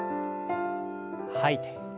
吐いて。